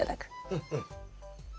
うんうん。